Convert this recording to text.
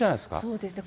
そうですね。